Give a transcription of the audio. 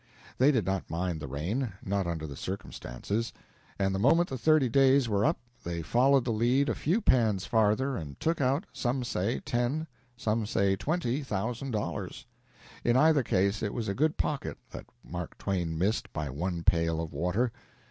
They did not mind the rain not under the circumstances and the moment the thirty days were up they followed the lead a few pans farther and took out, some say ten, some say twenty, thousand dollars. In either case it was a good pocket that Mark Twain missed by one pail of water.